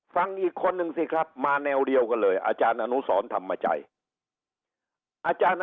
ฟังอีกคนนึงสิครับมาแนวเดียวกันเลยออนุศรทำมาใจ